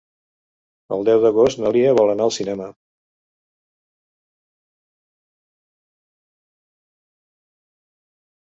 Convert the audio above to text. El deu d'agost na Lia vol anar al cinema.